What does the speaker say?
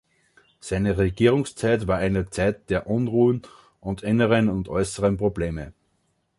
Seine Regierungszeit war eine Zeit der Unruhen und inneren und äußeren Probleme.